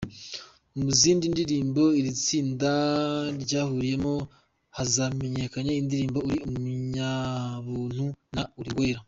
Mu zindi ndirimbo iri tsinda ryahuriyemo zamenyekanye harimo Uri umunyabuntu na Uri uwera.